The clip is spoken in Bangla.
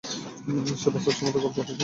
সে বাস্তবসম্মত গল্প লেখে।